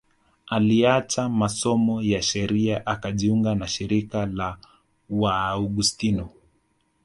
Aliacha masomo ya sheria akajiunga na shirika la Waaugustino